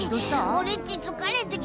オレっちつかれてきた。